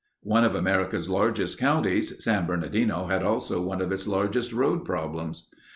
One of America's largest counties, San Bernardino had also one of its largest road problems.